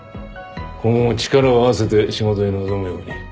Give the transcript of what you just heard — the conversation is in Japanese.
今後も力を合わせて仕事に臨むように。